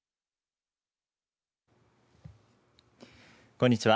こんにちは。